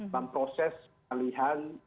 dan proses penalihan